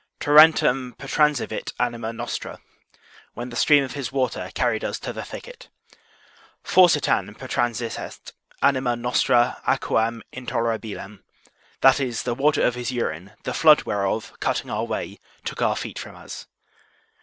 Torrentem pertransivit anima nostra; when the stream of his water carried us to the thicket. Forsitan pertransisset anima nostra aquam intolerabilem; that is, the water of his urine, the flood whereof, cutting our way, took our feet from us.